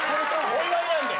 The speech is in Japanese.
お祝いなんで。